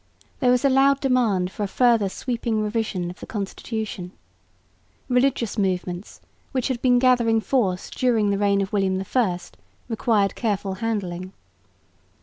There was a loud demand for a further sweeping revision of the constitution. Religious movements, which had been gathering force during the reign of William I, required careful handling.